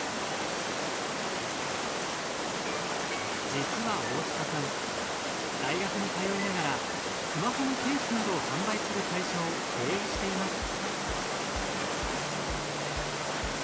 実は大束さん大学に通いながらスマホのケースなどを販売する会社を経営しています。